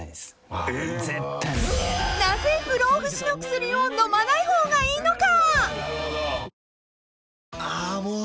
［なぜ不老不死の薬を飲まない方がいいのか？］